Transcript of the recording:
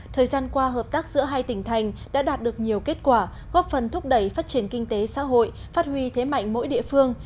thời gian qua hợp tác giữa hai tỉnh thành đã đạt được nhiều kết quả góp phần thúc đẩy phát triển kinh tế xã hội phát huy thế mạnh mỗi địa phương